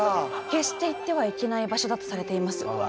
決して行ってはいけない場所だとされています。